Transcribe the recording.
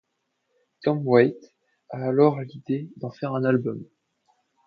Tom Waits a alors l'idée d'en faire un album.